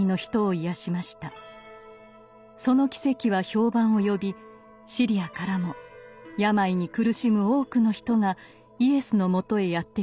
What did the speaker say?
その奇跡は評判を呼びシリアからも病に苦しむ多くの人がイエスのもとへやって来ました。